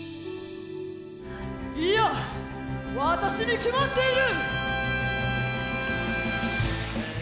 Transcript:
いや私に決まっている！